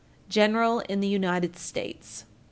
_General in the United States.